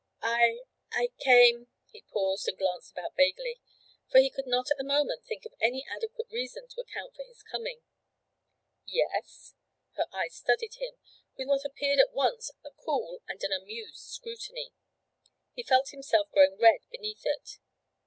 'I I came ' He paused and glanced about vaguely; he could not at the moment think of any adequate reason to account for his coming. 'Yes?' Her eyes studied him with what appeared at once a cool and an amused scrutiny. He felt himself growing red beneath it.